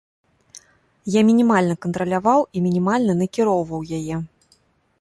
Я мінімальна кантраляваў і мінімальна накіроўваў яе.